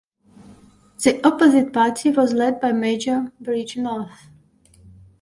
The opposite party was led by Major Bridgenorth.